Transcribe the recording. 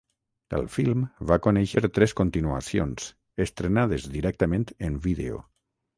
El film va conèixer tres continuacions, estrenades directament en vídeo.